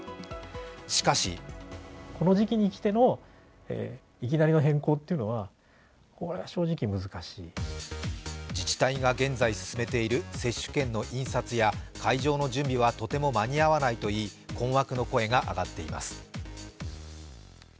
しかし自治体が現在進めている接種券の印刷や会場の準備はとても間に合わないといい、困惑の声が上がっています。